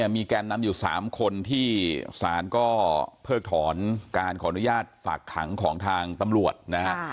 มีแกนนำอยู่๓คนที่สารก็เพิกถอนการขออนุญาตฝากขังของทางตำรวจนะฮะ